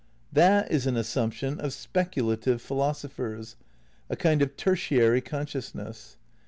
That is an assumption of speculative philosophers; a kind of tertiary con sciousness.